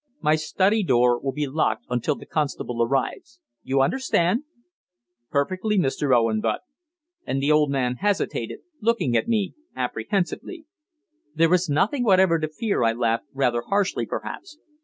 My study door will be locked until the constable arrives. You understand?" "Perfectly, Mr. Owen, but " And the old man hesitated, looking at me apprehensively. "There is nothing whatever to fear," I laughed, rather harshly perhaps.